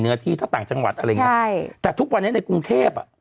เนื้อที่ถ้าต่างจังหวัดอะไรอย่างเงี้ใช่แต่ทุกวันนี้ในกรุงเทพอ่ะ